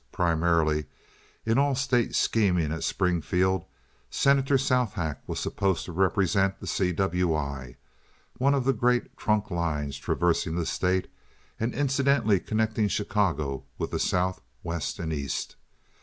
Primarily, in all state scheming at Springfield, Senator Southack was supposed to represent the C. W. I., one of the great trunk lines traversing the state, and incidentally connecting Chicago with the South, West, and East.